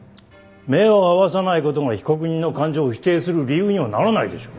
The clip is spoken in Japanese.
目を合わさない事が被告人の感情を否定する理由にはならないでしょう。